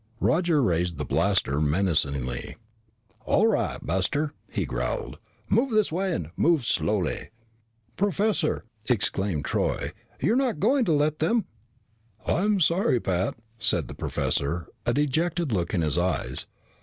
Roger raised the blaster menacingly. "All right, buster!" he growled. "Move this way and move slowly." "Professor," exclaimed Troy, "you're not going to let them !" "I'm sorry, Pat," said the professor, a dejected look in his eyes.